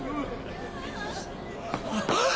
あっ！